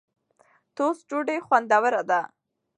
ټوسټ ډوډۍ خوندوره ده.